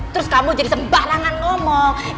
terus kamu jadi sembarangan ngomong